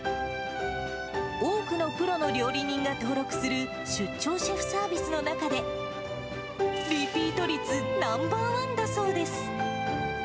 多くのプロの料理人が登録する、出張シェフサービスの中で、リピート率ナンバー１だそうです。